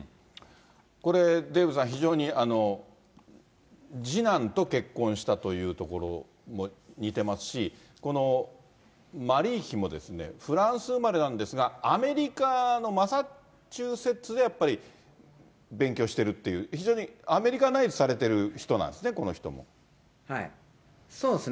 これデーブさん、非常に次男と結婚したというところも似てますし、このマリー妃もフランス生まれなんですが、アメリカのマサチューセッツでやっぱり勉強してるという、非常にアメリカナイズされてる人なんですね、はい、そうですね。